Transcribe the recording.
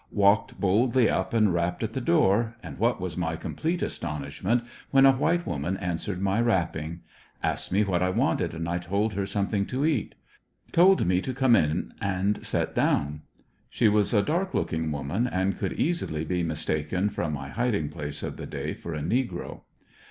Walked boldly up and rapped at the door; and what was my com plete astonishment when a white woman answered my rapping. Asked me what I wanted, and I told her something to eat. Told me to come in and set down. She was a dark looking woman and could easily be mistaken from my hiding place of the day for a negro.